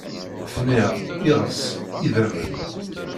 Fniɣ, iɣes, idammen.